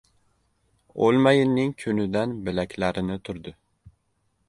O‘lmayinning kunidan bilaklarini turdi.